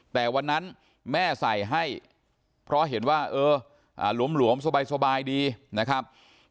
แต่วันนั้นแม่ใส่ให้เพราะเห็นว่าเออหลวมสบายดีนะครับ